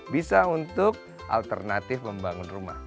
bisa untuk alternatif membangun rumah